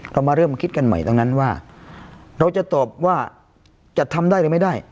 เรามาเริ่มคิดกันใหม่ตรงนั้นว่าเราจะตอบว่าจะทำได้หรือไม่ได้